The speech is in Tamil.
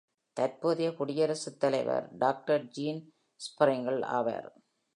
தற்போதைய குடியரசுத்தலைவர் டாக்டர் டீன் ஸ்ப்ரிங்க்ள் ஆவார்.